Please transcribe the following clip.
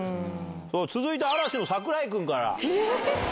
続いて嵐の櫻井君から。